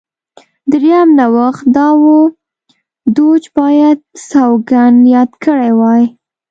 درېیم نوښت دا و دوج باید سوګند یاد کړی وای.